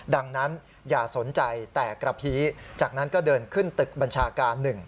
ดังนั้นอย่าสนใจแตกกระพีจากนั้นก็เดินขึ้นตึกบัญชาการ๑